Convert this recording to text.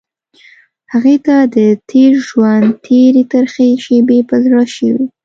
هغې ته د تېر ژوند تېرې ترخې شېبې په زړه شوې.